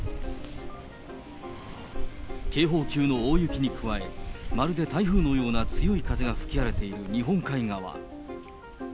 警報級の大雪に加え、まるで台風のような強い風が吹き荒れている日本海側。